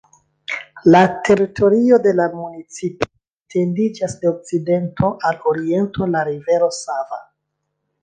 La teritorio de la municipo etendiĝas de okcidento al oriento la rivero Sava.